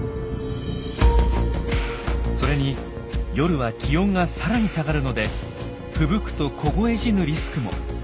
それに夜は気温がさらに下がるのでふぶくと凍え死ぬリスクも。